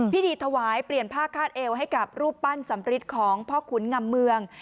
พิธีถวายเปลี่ยนผ้าคาดเอวให้กับรูปปั้นสำริทของพ่อขุนงำเมือง